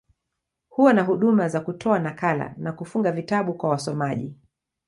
Huwa na huduma za kutoa nakala, na kufunga vitabu kwa wasomaji.